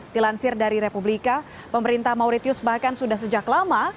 dilansir dari republika pemerintah mauritius bahkan sudah sejak lama